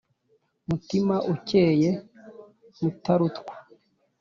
mutima ukeye mutarutwa.